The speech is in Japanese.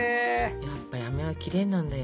やっぱりあめはきれいなんだよ。